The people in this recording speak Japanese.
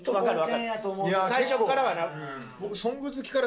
最初っからはな。